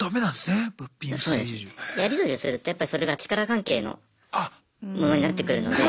やり取りをするとやっぱそれが力関係のものになってくるので。